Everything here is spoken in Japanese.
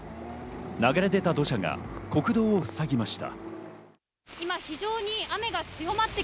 流れ出た土砂が国道をふさぎました。